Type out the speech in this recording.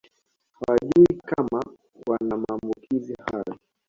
Hawajui kama wana maambukizi hayo